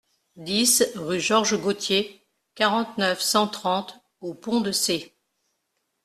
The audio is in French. dix rue Georges Gautier, quarante-neuf, cent trente aux Ponts-de-Cé